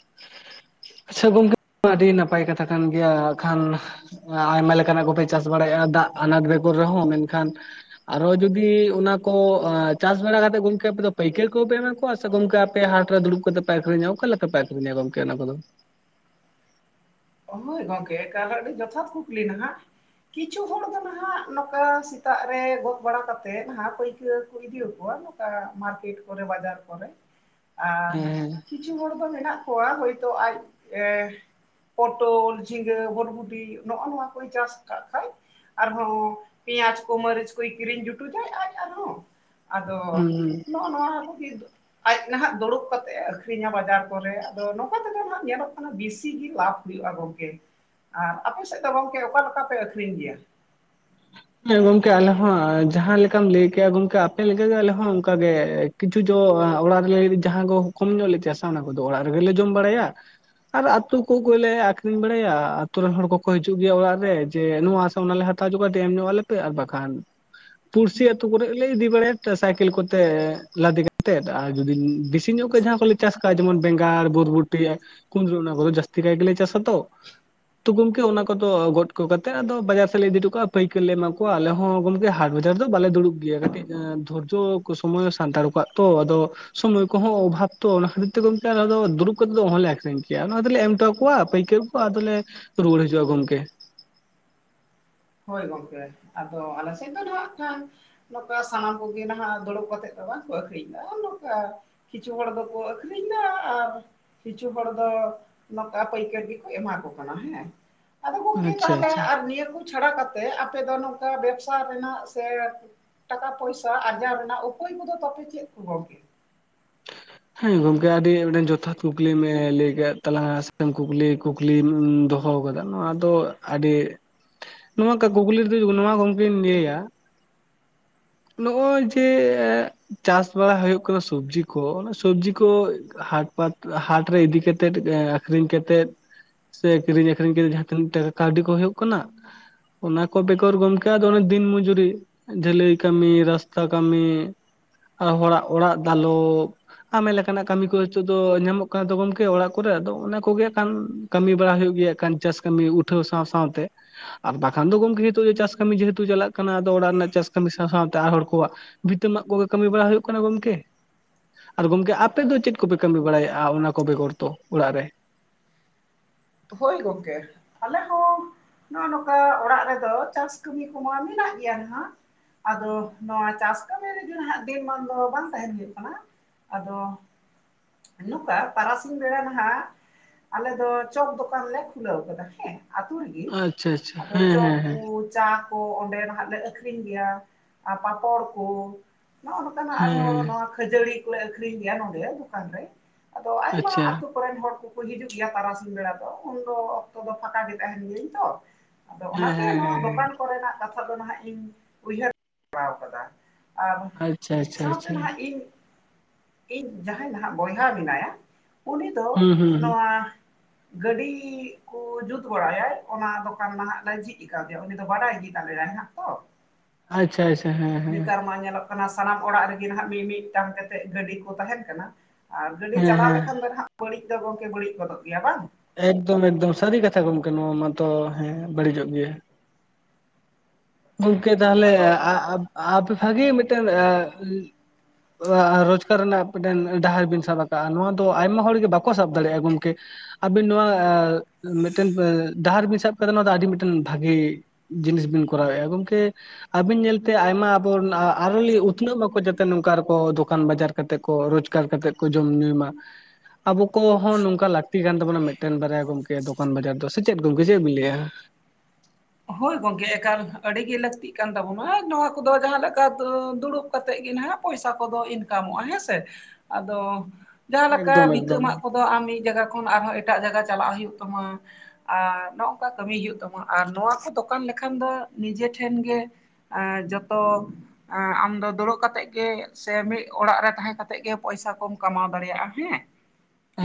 B: ᱟᱪᱪᱷᱟ ᱜᱚᱝᱠᱮ, ᱟᱹᱰᱤ ᱱᱟᱯᱟᱭ ᱠᱟᱛᱷᱟ ᱠᱟᱱ ᱜᱮᱭᱟ᱾ ᱮᱠᱷᱟᱱ ᱮᱸ ᱟᱭᱢᱟ ᱞᱮᱠᱟᱱᱟᱜ ᱠᱚᱯᱮ ᱪᱟᱥ ᱵᱟᱲᱟᱭᱮᱜᱼᱟ ᱫᱟᱜ ᱟᱱᱟᱫᱽ ᱵᱮᱜᱚᱨ ᱨᱮᱦᱚᱸ, ᱢᱮᱱᱠᱷᱟᱱ ᱟᱨᱦᱚ ᱡᱩᱚᱫᱤ ᱚᱱᱟ ᱠᱚ ᱪᱟᱥ ᱵᱟᱲᱟ ᱠᱟᱛᱮᱜ ᱜᱚᱝᱠᱮ ᱟᱯᱮ ᱫᱚ ᱯᱟᱹᱭᱠᱟᱹᱨ ᱠᱚᱯᱮ ᱮᱢᱟ ᱠᱚᱣᱟ ᱟᱫᱚ ᱜᱚᱝᱠᱮ ᱟᱯᱮ ᱦᱟᱴᱨᱮ ᱫᱩᱲᱩᱵ ᱠᱟᱛᱮ ᱯᱮ ᱟᱹᱠᱷᱨᱤᱧᱟ ᱚᱠᱟᱞᱮᱠᱟ ᱯᱮ ᱟᱹᱠᱷᱨᱤᱧᱟ ᱜᱚᱝᱠᱮ ᱚᱱᱟ ᱠᱚᱫᱚ?
A: ᱦᱚᱭ ᱜᱚᱝᱠᱮ ᱮᱠᱟᱞ ᱦᱟᱸᱜ ᱟᱹᱰᱤ ᱡᱚᱛᱷᱟᱛ ᱠᱩᱠᱞᱤ ᱱᱟᱦᱟᱸᱜ᱾ ᱠᱤᱪᱷᱩ ᱦᱚᱲ ᱫᱚ ᱱᱟᱦᱟᱜ ᱱᱚᱠᱟ ᱥᱮᱛᱟᱜ ᱨᱮ ᱜᱚᱫ ᱵᱟᱲᱟ ᱠᱟᱛᱮᱫ ᱱᱟᱦᱟᱜ ᱯᱟᱹᱭᱠᱟᱹᱨ ᱠᱚ ᱤᱫᱤᱣᱟᱠᱚᱣᱟ᱾ ᱚᱝᱠᱟ ᱢᱟᱨᱠᱮᱴ ᱠᱚᱨᱮ, ᱵᱟᱡᱟᱨ ᱠᱚᱨᱮ᱾ ᱟ,
B: ᱦᱮᱸ ᱦᱮᱸ
A: ᱠᱤᱪᱷᱩ ᱦᱚᱲ ᱫᱚ ᱢᱮᱱᱟᱜ ᱠᱚᱣᱟ ᱦᱳᱭᱛᱳ ᱟᱡ ᱮ ᱯᱚᱴᱚᱞ, ᱡᱷᱤᱸᱜᱟᱹ, ᱦᱚᱨᱰᱜᱩᱰᱤ ᱱᱚᱜᱼᱚ ᱱᱚᱣᱟ ᱠᱚᱭ ᱪᱟᱥ ᱟᱠᱟᱫ ᱠᱷᱟᱡ ᱟᱨᱦᱚᱸ ᱯᱮᱸᱭᱟᱡ ᱠᱚ, ᱢᱟᱹᱨᱤᱪ ᱠᱚᱭ ᱠᱤᱨᱤᱧ ᱡᱩᱴᱩᱡᱟᱭ ᱟᱡ ᱟᱨᱦᱚᱸ᱾ ᱟᱫᱚ
B: ᱦᱩᱸ ᱦᱩᱸ
A: ᱱᱚᱜ-ᱚ ᱱᱚᱣᱟ ᱠᱚᱜᱮ ᱟᱡ ᱱᱟᱦᱟᱜ ᱫᱩᱲᱩᱵ ᱠᱟᱛᱮᱜ ᱮ ᱟᱹᱠᱷᱨᱤᱧᱟ ᱵᱟᱡᱟᱨ ᱠᱚᱨᱮ᱾ ᱟᱫᱚ ᱱᱚᱝᱠᱟ ᱛᱮᱫᱚ ᱱᱟᱦᱟᱜ ᱧᱮᱞᱚᱜ ᱠᱟᱱᱟ ᱵᱤᱥᱤ ᱜᱮ ᱞᱟᱵᱷ᱾ ᱦᱩᱭᱩᱜᱼᱟ ᱜᱚᱝᱠᱮ᱾ ᱟᱨ ᱟᱯᱮ ᱥᱮᱫ ᱫᱚ ᱜᱚᱝᱠᱮ ᱚᱠᱟ ᱞᱮᱠᱟ ᱯᱮ ᱟᱹᱷᱨᱤᱧ ᱜᱮᱭᱟ?
B: ᱦᱮᱸ ᱜᱚᱝᱠᱮ ᱟᱞᱮ ᱦᱚᱸ ᱡᱟᱦᱟᱸ ᱞᱮᱠᱟᱢ ᱞᱟᱹᱭ ᱠᱮᱭᱟ ᱜᱚᱝᱠᱮ ᱟᱯᱮ ᱞᱮᱠᱟᱜᱮ ᱟᱞᱮ ᱦᱚᱸ ᱚᱱᱠᱟᱜᱮ ᱠᱤᱪᱷᱩ ᱡᱚ ᱮᱸ ᱚᱲᱟᱜ ᱨᱮᱞᱟᱹᱜᱤᱫ ᱡᱟᱦᱟᱸ ᱠᱚ ᱠᱚᱢ ᱧᱚᱜ ᱞᱮ ᱪᱟᱥᱟ ᱚᱱᱟ ᱠᱚᱫᱚ ᱚᱲᱟᱜ ᱨᱮᱜᱮᱞᱮ ᱡᱚᱢ ᱵᱟᱲᱟᱭᱟ᱾ ᱟᱨ ᱟᱛᱳ ᱠᱚᱜᱚᱭᱞᱮ ᱟᱠᱷᱨᱤᱧ ᱵᱟᱲᱟᱭᱟ ᱟᱛᱳ ᱨᱮᱱ ᱦᱚᱲ ᱠᱚᱠᱚ ᱦᱟᱹᱡᱩᱜ ᱜᱮᱭᱟ ᱚᱲᱟᱜ ᱨᱮ ᱡᱮ ᱱᱚᱣᱟ ᱚᱱᱟᱞᱮ ᱦᱟᱛᱟᱣᱡᱚᱜᱟ ᱫᱮ ᱮᱢ ᱧᱚᱜ ᱟᱞᱮᱯᱮ ᱟᱨ ᱵᱟᱠᱷᱟᱱ ᱯᱩᱲᱥᱤ ᱟᱹᱛᱩ ᱠᱚᱨᱮᱜ ᱞᱮ ᱤᱫᱤ ᱵᱟᱲᱟᱭᱮ ᱛᱮ ᱥᱟᱭᱠᱮᱞ ᱠᱚᱛᱮ ᱞᱟᱫᱮ ᱠᱟᱛᱮᱫ ᱟᱨ ᱡᱩᱫᱤ ᱵᱮᱥᱤ ᱧᱚᱜ ᱠᱚ ᱡᱟᱦᱟᱸ ᱠᱚᱞᱮ ᱪᱟᱥ ᱠᱟᱜᱼᱟ ᱡᱮᱢᱚᱱ ᱵᱮᱸᱜᱟᱲ ᱵᱚᱨᱵᱩᱴᱤ ᱠᱩᱱᱫᱨᱤ ᱚᱱᱟ ᱠᱚᱫᱚ ᱡᱟᱹᱥᱛᱤ ᱠᱟᱭ ᱜᱮᱞᱮ ᱪᱟᱥᱟ ᱛᱚ ᱛᱚ ᱜᱚᱢᱠᱮ ᱚᱱᱟ ᱠᱚᱫᱚ ᱜᱚᱴ ᱠᱚ ᱠᱟᱛᱮ ᱟᱫᱚ ᱵᱟᱡᱟᱨ ᱥᱮᱫ ᱞᱮ ᱤᱫᱤᱴᱚ ᱠᱟᱜᱼᱟ ᱯᱟᱹᱭ ᱠᱟᱹᱨ ᱞᱮ ᱮᱢᱟ ᱠᱚᱣᱟ ᱟᱞᱮ ᱦᱚᱸ ᱜᱚᱢᱠᱮ ᱦᱟᱴ ᱵᱟᱡᱟᱨ ᱫᱚ ᱵᱟᱞᱮ ᱫᱩᱲᱩᱵ ᱜᱮᱭᱟ ᱠᱟᱹᱴᱤᱡ ᱫᱷᱳᱨᱡᱳ ᱠᱚ ᱥᱚᱢᱚᱭ ᱥᱟᱱᱛᱟᱲ ᱠᱚᱣᱟᱜ ᱛᱚ ᱟᱫᱚ ᱥᱚᱢᱚᱭ ᱠᱚᱦᱚᱸ ᱚᱵᱷᱟᱵ ᱛᱚ ᱚᱱᱟ ᱠᱷᱟᱹᱛᱤᱨ ᱛᱮ ᱜᱚᱢᱠᱮ ᱟᱞᱮ ᱫᱚ ᱫᱩᱲᱩᱵ ᱠᱟᱛᱮᱫ ᱫᱚ ᱚᱦᱚᱞᱮ ᱟᱠᱷᱨᱤᱧ ᱠᱮᱭᱟ ᱚᱱᱟ ᱫᱚᱞᱮ ᱮᱢ ᱦᱚᱴᱚ ᱠᱚᱣᱟ ᱯᱟᱹᱭᱠᱟᱹᱨ ᱟᱫᱚᱞᱮ ᱨᱩᱣᱟᱹᱲ ᱦᱤᱡᱩᱜᱼᱟ ᱜᱚᱝᱠᱮ
A: ᱦᱳᱭ ᱜᱚᱝᱠᱮ ᱟᱫᱚ ᱟᱞᱮ ᱥᱮᱫ ᱫᱚ ᱱᱟᱦᱟᱜ ᱠᱷᱟᱱ ᱱᱚᱝᱠᱟ ᱥᱟᱢᱟᱱᱟᱢ ᱠᱚᱜᱮ ᱱᱟᱦᱟᱜ ᱫᱩᱲᱩᱵ ᱠᱟᱛᱮᱜ ᱫᱚ ᱵᱟᱝᱠᱚ ᱟᱠᱷᱨᱤᱧ ᱮᱫᱟ ᱦᱚᱸᱜ-ᱚ ᱱᱚᱝᱠᱟ ᱠᱤᱪᱷᱩ ᱦᱚᱲ ᱫᱚᱠᱚ ᱟᱹᱠᱷᱨᱤᱧᱫᱟ ᱟᱨ ᱠᱤᱪᱷᱩ ᱦᱚᱲ ᱫᱚ ᱱᱚᱠᱟ ᱯᱟᱹᱭᱠᱟᱹᱨ ᱜᱮᱠᱚ ᱮᱢᱟ ᱠᱚ ᱠᱟᱱᱟ ᱦᱮᱸ ᱟᱫᱚ ᱜᱚᱝᱠᱮ
B: ᱟᱪᱪᱷᱟ
A: ᱛᱟᱦᱚᱞᱮ
B: ᱟᱪᱪᱷᱟ
A: ᱟᱨ ᱱᱤᱭᱟᱹ ᱠᱚ ᱪᱷᱟᱲᱟ ᱠᱟᱛᱮᱫ ᱟᱯᱮ ᱫᱚ ᱱᱚᱝᱠᱟ ᱵᱮᱵᱽᱥᱟ ᱨᱮᱱᱟᱜ ᱥᱮ ᱴᱟᱠᱟ ᱯᱚᱭᱥᱟ ᱟᱨᱡᱟᱣ ᱨᱮᱱᱟᱜ ᱩᱯᱟᱹᱭ ᱠᱚᱫᱚ ᱛᱟᱯᱮ ᱪᱮᱫ ᱠᱚ ᱜᱚᱝᱠᱮ
B: ᱦᱮᱸ ᱜᱚᱝᱠᱮ ᱟᱹᱰᱤ ᱴᱮᱫᱴᱮᱱ ᱡᱚᱛᱷᱟᱛ ᱠᱩᱠᱞᱤᱢ ᱞᱟᱹᱭ ᱠᱮᱫ ᱛᱟᱞᱟᱝᱟ ᱥᱮᱢ ᱠᱩᱠᱞᱤ ᱠᱩᱠ ᱞᱤᱢ ᱫᱚᱦᱚ ᱟᱠᱟᱫᱟ ᱱᱚᱣᱟ ᱫᱚ ᱟᱹᱰᱤ ᱱᱚᱣᱟᱠᱟ ᱜᱩᱜᱩᱞᱤ ᱨᱮᱫᱚ ᱱᱚᱣᱟ ᱜᱚᱢᱠᱮᱧ ᱞᱮᱭᱟ ᱱᱚᱜᱼᱚᱭ ᱡᱮ ᱪᱟᱥ ᱵᱟᱲᱟ ᱦᱩᱭᱩᱜ ᱠᱟᱱᱟ ᱥᱚᱵᱡᱤ ᱠᱚ ᱥᱚᱵᱡᱤ ᱠᱚ ᱦᱟᱴ ᱯᱟᱛ ᱦᱟᱴ ᱨᱮ ᱤᱫᱤ ᱠᱟᱛᱮᱫ ᱟᱠᱷᱨᱤᱧ ᱠᱟᱛᱮᱫ ᱥᱮ ᱠᱤᱨᱤᱧ ᱟᱠᱷᱨᱤᱧ ᱠᱟᱛᱮ ᱡᱟᱦᱟᱸ ᱛᱤᱱᱟᱹᱜ ᱴᱟᱠᱟ ᱠᱟᱹᱣᱰᱤ ᱠᱚ ᱦᱩᱭᱩᱜ ᱠᱟᱱᱟ ᱚᱱᱟ ᱠᱚ ᱵᱮᱠᱚᱨ ᱜᱚᱢᱠᱮ ᱟᱫᱚ ᱚᱱᱮ ᱫᱤᱱ ᱢᱚᱡᱩᱨᱤ ᱰᱷᱟᱹᱞᱟᱹᱭ ᱠᱟᱹᱢᱤ ᱨᱟᱥᱛᱟ ᱠᱟᱹᱢᱤ ᱟᱨ ᱦᱚᱲᱟᱜ ᱚᱲᱟᱜ ᱫᱟᱞᱚᱵ ᱟᱭᱢᱟ ᱞᱮᱠᱟᱱᱟᱜ ᱠᱟᱹᱢᱤ ᱠᱚ ᱦᱤᱛᱚᱜ ᱫᱚ ᱧᱟᱢᱚᱜ ᱠᱟᱱᱟ ᱛᱚ ᱜᱚᱢᱠᱮ ᱚᱲᱟᱜ ᱠᱚᱨᱮᱜ ᱟᱫᱚ ᱚᱱᱟ ᱠᱚᱜᱮ ᱠᱷᱟᱱ ᱠᱟᱹᱢᱤ ᱵᱟᱲᱟ ᱦᱩᱭᱩᱜ ᱜᱮᱭᱟ ᱠᱷᱟᱱ, ᱪᱟᱥ ᱠᱟᱹᱢᱤ ᱩᱴᱷᱟᱹᱣ ᱥᱟᱶ ᱥᱟᱶᱛᱮ᱾ ᱟᱨ ᱵᱟᱠᱷᱟᱱ ᱫᱚ ᱜᱚᱢᱠᱮ ᱱᱤᱛᱚᱜ ᱫᱚ ᱪᱟᱥ ᱠᱟᱹᱢᱤ ᱡᱮᱦᱮᱛᱩ ᱪᱟᱞᱟᱜ ᱠᱟᱱᱟ, ᱟᱫᱚ ᱚᱲᱟᱜ ᱨᱮᱱᱟᱜ ᱪᱟᱥ ᱠᱟᱹᱢᱤ ᱥᱟᱶ ᱥᱟᱶᱛᱮ ᱟᱨ ᱦᱚᱲ ᱠᱚᱣᱟᱜ, ᱵᱷᱤᱛᱟᱹ ᱢᱟᱜ ᱠᱚᱜᱮ ᱠᱟᱹᱢᱤ ᱵᱟᱲᱟ ᱦᱩᱭᱩᱜ ᱠᱟᱱᱟ ᱜᱚᱢᱠᱮ᱾ ᱟᱨ ᱜᱚᱢᱠᱮ ᱟᱯᱮ ᱫᱚ ᱪᱮᱫ ᱠᱚᱯᱮ ᱠᱟᱹᱢᱤ ᱵᱟᱲᱟᱭᱮᱜᱼᱟ, ᱚᱱᱟ ᱠᱚ ᱵᱮᱜᱚᱨ ᱛᱚ ᱚᱲᱟᱜ ᱨᱮ?
A: ᱦᱳᱭ ᱜᱚᱝᱠᱮ᱾ ᱟᱞᱮ ᱦᱚᱸ ᱱᱚᱜᱼᱚ ᱱᱚᱝᱠᱟ ᱚᱲᱟᱜ ᱨᱮᱫᱚ, ᱪᱟᱥ ᱠᱟᱹᱢᱤ ᱠᱚᱢᱟ ᱢᱮᱱᱟᱜ ᱜᱮᱭᱟ ᱱᱟᱦᱟᱜ᱾ ᱟᱫᱚ ᱱᱚᱣᱟ ᱪᱟᱥ ᱠᱟᱹᱢᱤ ᱨᱮᱜᱮ ᱦᱟᱸᱜ, ᱫᱤᱱ ᱢᱟᱱ ᱫᱚ ᱵᱟᱝ ᱛᱟᱦᱮᱱ ᱦᱩᱭᱩᱜ ᱠᱟᱱᱟ᱾ ᱟᱫᱚ, ᱱᱚᱠᱟ ᱛᱟᱨᱟᱥᱤᱧ ᱵᱮᱲᱟ ᱱᱟᱦᱟᱜ ᱟᱞᱮ ᱫᱚ ᱪᱚᱯ ᱫᱚᱠᱟᱱ ᱞᱮ ᱠᱷᱩᱞᱟᱹᱣ ᱠᱟᱫᱟ ᱦᱮᱸ, ᱟᱛᱩ ᱨᱮᱜᱮ᱾
B: ᱟᱪᱪᱷᱟ ᱟᱪᱪᱷᱟ
A: ᱟᱫᱚ
B: ᱦᱮᱸ
A: ᱪᱚᱯ
B: ᱦᱮᱸ ᱦᱮᱸ
A: ᱠᱚ ᱪᱟ ᱠᱚ ᱚᱸᱰᱮ ᱱᱟᱦᱟᱜ ᱞᱮ ᱟᱠᱷᱨᱤᱧ ᱜᱮᱭᱟ, ᱟᱨ ᱯᱟᱯᱚᱬ ᱠᱚ᱾ ᱱᱚᱜᱼᱚ ᱱᱚᱝᱠᱟ ᱱᱟᱦᱟᱜ
B: ᱦᱮᱸ ᱦᱮᱸ
A: ᱟᱨᱦᱚᱸ ᱱᱚᱣᱟ ᱠᱷᱟᱹᱡᱟᱹᱲᱤ ᱠᱚᱞᱮ ᱟᱠᱷᱨᱤᱧ ᱜᱮᱭᱟ, ᱱᱚᱰᱮ ᱫᱚᱠᱟᱱ ᱨᱮ᱾ ᱟᱫᱚ ᱟᱭᱢᱟ
B: ᱟᱪᱪᱷᱟ
A: ᱟᱛᱩ ᱠᱚᱨᱮᱱ ᱦᱚᱲ ᱠᱚᱠᱚ ᱦᱤᱡᱩᱜ ᱜᱮᱭᱟ ᱛᱟᱨᱟᱥ ᱥᱤᱧ ᱵᱮᱲᱟ ᱫᱚ, ᱩᱱᱫᱚ ᱚᱠᱛᱚ ᱫᱚ ᱯᱷᱟᱸᱠᱟ ᱜᱮ ᱛᱟᱦᱮᱱ ᱜᱤᱭᱟᱹᱧ ᱛᱚ᱾ ᱟᱫᱚ
B: ᱦᱮᱸ
A: ᱚᱱᱟᱛᱮ
B: ᱦᱮᱸ ᱦᱮᱸ
A: ᱱᱚᱣᱟ
B: ᱦᱮᱸ
A: ᱫᱚᱠᱟᱱ ᱠᱚᱨᱮᱱᱟᱜ ᱠᱟᱛᱷᱟ ᱫᱚ ᱱᱟᱦᱟᱜ ᱤᱧ, ᱩᱭᱦᱟᱹᱨ ᱵᱟᱲᱟᱣ ᱠᱟᱫᱟ᱾ ᱟᱨ
B: ᱟᱪᱪᱷᱟ ᱟᱪᱪᱷᱟ
A: ᱥᱟᱶᱛᱮ
B: ᱟᱪᱪᱷᱟ
A: ᱱᱟᱦᱟᱸᱜ ᱤᱧ ᱤᱧ ᱡᱟᱦᱟᱸᱭ ᱱᱟᱦᱟᱜ ᱵᱚᱭᱦᱟ ᱢᱮᱱᱟᱭᱟ, ᱩᱱᱤ ᱫᱚ
B: ᱦᱩᱸ ᱦᱩᱸ ᱦᱩᱸ
A: ᱱᱚᱣᱟ ᱜᱟᱹᱰᱤ ᱠᱚ ᱡᱩᱛ ᱵᱟᱲᱟᱭᱟᱭ, ᱚᱱᱟ ᱫᱚᱠᱟᱱ ᱱᱟᱦᱟᱜ ᱞᱮ ᱡᱷᱤᱡ ᱠᱟᱣᱫᱮᱭᱟ᱾ ᱩᱱᱤ ᱫᱚ ᱵᱟᱰᱟᱭ ᱜᱤ ᱛᱟᱞᱮᱭᱟᱭ [unintelligible] ᱦᱟᱸᱜ ᱛᱚ
B: ᱟᱪᱪᱷᱟ ᱟᱪᱷᱟ᱾
A: ᱱᱮᱛᱟᱨ ᱢᱟ ᱧᱮᱞᱚᱜ ᱠᱟᱱᱟ ᱥᱟᱱᱟᱢ ᱚᱲᱟᱜ ᱨᱮᱜᱮ ᱱᱟᱦᱟᱜ, ᱢᱤᱫ ᱢᱤᱫᱴᱟᱝ ᱠᱟᱛᱮᱜ ᱜᱟᱹᱰᱤ ᱠᱚ ᱛᱟᱦᱮᱱ ᱠᱟᱱᱟ᱾ ᱟᱨ ᱜᱟᱹᱰᱤ
B: ᱦᱮᱸ
A: ᱪᱟᱞᱟᱣ
B: ᱦᱮᱸ
A: ᱞᱮᱠᱷᱟᱱ ᱫᱚ ᱱᱟᱦᱟᱜ ᱵᱟᱹᱲᱤᱡ ᱫᱚ ᱜᱚᱝᱠᱮ ᱵᱟᱹᱲᱤᱡ ᱜᱚᱫᱚᱜ ᱜᱮᱭᱟ ᱵᱟᱝ᱾
B: ᱮᱠᱫᱚᱢ ᱮᱠᱫᱚᱢ ᱥᱟᱹᱨᱤ ᱠᱟᱛᱷᱟ ᱜᱚᱢᱠᱮ, ᱱᱚᱣᱟ ᱢᱟᱛᱚ ᱦᱮᱸ ᱵᱟᱹᱲᱤᱡᱚᱜ ᱜᱮᱭᱟ᱾ ᱜᱚᱢᱠᱮ
A: ᱦᱳᱭ
B: ᱛᱟᱦᱞᱮ
A: ᱟᱫᱚ
B: ᱟ ᱟ ᱟᱵ [unintelligible] ᱟᱯᱮ ᱵᱷᱟᱜᱮ ᱢᱤᱫᱴᱮᱱ ᱟ ᱟ ᱨᱳᱡᱽᱜᱟᱨ ᱨᱮᱱᱟᱜ ᱯᱤᱴᱮᱱ ᱰᱟᱦᱟᱨ ᱵᱤᱱ ᱥᱟᱵ ᱠᱟᱜᱼᱟ᱾ ᱱᱚᱣᱟ ᱫᱚ ᱟᱭᱢᱟ ᱦᱚᱲᱜᱮ ᱵᱟᱠᱚ ᱥᱟᱵ ᱫᱟᱲᱮᱭᱟᱜᱼᱟ᱾ ᱜᱚᱢᱠᱮ ᱟᱵᱤᱱ ᱱᱚᱣᱟ ᱢᱤᱫᱴᱮᱱ ᱰᱟᱦᱟᱨ ᱵᱤᱱ ᱥᱟᱵ ᱠᱟᱫᱟ, ᱱᱚᱣᱟ ᱫᱚ ᱟᱹᱰᱤ ᱢᱤᱫᱴᱮᱱ ᱵᱷᱟᱹᱜᱮ᱾ ᱡᱤᱱᱤᱥ ᱵᱤᱱ ᱠᱚᱨᱟᱣ ᱮᱫᱟ ᱾ᱜᱚᱝᱠᱮ ᱟᱵᱤᱱ ᱧᱮᱞᱛᱮ ᱟᱭᱢᱟ ᱟᱵᱚ ᱨᱮᱱ ᱟᱨᱦᱚᱸ ᱞᱤᱪ ᱩᱛᱱᱟᱹᱜ ᱢᱟᱠᱚ, ᱡᱟᱛᱮ ᱱᱚᱝᱠᱟ ᱟᱨᱚ ᱠᱚ ᱫᱚᱠᱟᱱ ᱵᱟᱡᱟᱨ ᱠᱟᱛᱮ ᱠᱚ ᱨᱳᱡᱽ ᱠᱟᱨ ᱠᱟᱛᱮᱫ ᱠᱚ ᱡᱚᱢ ᱧᱩᱭ ᱢᱟ᱾ ᱟᱵᱩ ᱠᱚᱦᱚᱸ ᱱᱚᱝᱠᱟ ᱞᱟᱹᱠᱛᱤ ᱠᱟᱱ ᱛᱟᱵᱚᱱᱟ ᱢᱤᱫᱴᱮᱱ ᱵᱟᱨᱭᱟ ᱜᱚᱝᱠᱮ ᱫᱚᱠᱟᱱ ᱵᱟᱡᱟᱨ ᱫᱚ᱾ ᱥᱮ ᱪᱮᱫ ᱜᱚᱝᱠᱮ ᱪᱮᱫ ᱵᱤᱱ ᱞᱟᱹᱭᱼᱟ?
A: ᱦᱳᱭ ᱜᱚᱝᱠᱮ ᱮᱠᱟᱞ ᱟᱹᱰᱤ ᱜᱮ ᱞᱟᱹᱠᱛᱤ ᱠᱟᱱ ᱛᱟᱵᱚᱱᱟ᱾ ᱱᱚᱣᱟ ᱠᱚᱫᱚ ᱡᱟᱦᱟᱸ ᱞᱮᱠᱟ ᱫᱚ ᱫᱩᱲᱩᱵ ᱠᱟᱛᱮᱜ ᱜᱮ ᱱᱟᱦᱟᱜ ᱯᱚᱭᱥᱟ ᱠᱚᱫᱚ ᱤᱱᱠᱟᱢᱚᱜ-ᱟ ᱦᱮᱸᱥᱮ ᱾ᱟᱫᱚ ᱡᱟᱦᱟᱸ ᱞᱮᱠᱟ
B: ᱮᱠᱫᱚᱢ ᱮᱠᱫᱚᱢ
A: ᱵᱤᱛᱟᱹᱢᱟᱜ ᱠᱚ ᱠᱚ ᱟᱢ ᱢᱤᱫ ᱡᱟᱜᱟ ᱠᱷᱚᱱ ᱟᱨᱦᱚᱸ ᱮᱴᱟᱜ ᱡᱟᱜᱟ ᱪᱟᱞᱟᱜ ᱦᱩᱭᱩᱜ ᱛᱟᱢᱟ᱾ ᱟᱨ ᱱᱚᱜ-ᱚᱝᱠᱟ ᱠᱟᱹᱢᱤ ᱦᱩᱭᱩᱜ ᱛᱟᱢᱟ, ᱟᱨ ᱱᱚᱣᱟ ᱠᱚ ᱫᱚᱠᱟᱱ ᱞᱮᱠᱷᱟᱱ ᱫᱚ ᱱᱤᱡᱮ ᱴᱷᱮᱱ ᱜᱮ ᱟᱨ ᱡᱚᱛᱚ ᱟ ᱟᱢᱫᱚ ᱫᱩᱲᱩᱵ ᱠᱟᱛᱮᱜ ᱜᱮ, ᱥᱮ ᱢᱤᱫ ᱚᱲᱟᱜ ᱨᱮ ᱛᱟᱦᱮᱸ ᱠᱟᱛᱮᱜ ᱜᱮ ᱯᱚᱭᱥᱟ ᱠᱚᱢ ᱠᱟᱢᱟᱣ ᱫᱟᱲᱮᱭᱟᱜ-ᱟ ᱦᱮᱸ᱾ [inaudible]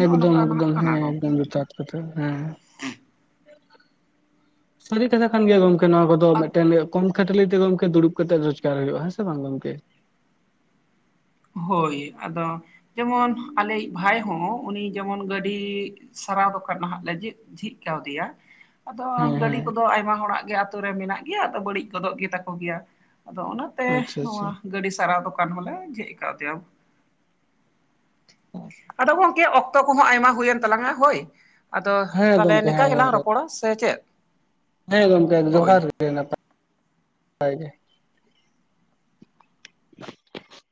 B: ᱮᱠᱫᱚᱢ
A: ᱱᱚᱝᱠᱟ ᱱᱟᱦᱟᱜ
B: ᱮᱠᱫᱚᱢ
A: ᱠᱟᱱᱟ
B: ᱦᱮᱸ,
A: ᱜᱚᱝᱠᱮ
B: ᱮᱠᱫᱚᱢ ᱡᱩᱛᱷᱟᱛ ᱠᱟᱛᱷᱟ ᱦᱮᱸ᱾ ᱥᱟᱹᱨᱤ ᱠᱟᱛᱷᱟ ᱠᱟᱱ ᱜᱮᱭᱟ ᱜᱚᱝᱠᱮ ᱱᱚᱣᱟ ᱠᱚᱫᱚ,
A: ᱟᱫᱚ
B: ᱢᱤᱫᱴᱮᱱ ᱜᱮ ᱠᱚᱢ ᱠᱷᱟᱹᱴᱞᱤ ᱛᱮ ᱜᱚᱝᱠᱮ ᱫᱚᱲᱩᱵ ᱠᱟᱛᱮᱜ ᱨᱚᱡᱜᱟᱨ ᱦᱩᱭᱩᱜ-ᱟ ᱾ᱦᱮᱸᱥᱮ ᱵᱟᱝ ᱜᱚᱝᱠᱮ?
A: ᱦᱳᱭ ᱾ᱟᱫᱚ ᱡᱮᱢᱚᱱ ᱟᱞᱮᱭᱤᱜ ᱵᱷᱟᱭ ᱦᱚᱸ ᱩᱱᱤ ᱡᱮᱢᱚᱱ ᱜᱟᱹᱰᱤ, ᱥᱟᱨᱟᱣ ᱫᱚᱠᱟᱱ ᱱᱟᱦᱟᱜ ᱞᱮ ᱡᱷᱤ ᱡᱷᱤᱡᱽ ᱠᱟᱣᱫᱮᱭᱟ᱾ ᱟᱫᱚ
B: ᱦᱮᱸ
A: ᱜᱟᱹᱰᱤ
B: ᱦᱮᱸ
A: ᱠᱚᱫᱚ ᱟᱭᱢᱟ ᱦᱚᱲᱟᱜ ᱜᱮ ᱟᱛᱩ ᱨᱮ ᱢᱮᱱᱟᱜ ᱜᱮᱭᱟ, ᱟᱫᱚ ᱵᱟᱹᱲᱤᱡ ᱜᱚᱫᱚᱜ ᱜᱮ ᱛᱟᱠᱚ ᱜᱮᱭᱟ᱾ ᱟᱫᱚ ᱚᱱᱟ ᱛᱮ,
B: ᱟᱪᱪᱷᱟ ᱟᱪᱪᱷᱟ
A: ᱱᱚᱣᱟ ᱜᱟᱹᱰᱤ ᱥᱟᱨᱟᱣ ᱫᱚᱠᱟᱱ ᱦᱚᱸ ᱞᱮ ᱡᱷᱤᱡᱽ ᱠᱟᱣᱫᱮᱭᱟ᱾ ᱟᱫᱚ ᱜᱚᱝᱠᱮ, ᱚᱠᱛᱚ ᱠᱚᱦᱚᱸ ᱟᱭᱢᱟ ᱦᱩᱭᱮᱱ ᱛᱟᱞᱟᱝᱼᱟ ᱦᱳᱭ᱾ ᱟᱫᱚ
B: ᱦᱮᱸ
A: ᱛᱟᱦᱞᱮ
B: ᱜᱚᱝᱠᱮ
A: ᱱᱮᱠᱟ
B: ᱦᱮᱸ
A: ᱜᱮ ᱞᱟᱝ
B: ᱜᱚᱝᱠᱮ
A: ᱨᱚᱯᱚᱲᱟ ᱥᱮ ᱪᱮᱫ?
B: ᱦᱮᱸ ᱜᱚᱝᱠᱮ
A: ᱦᱳᱭ᱾
B: [inaudible] ᱱᱟᱯᱟᱭ ᱜᱮ᱾